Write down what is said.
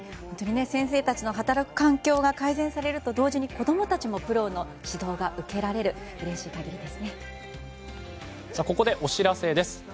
先生たちの働く環境が改善されると同時に子供たちもプロの指導が受けられるのはここでお知らせです。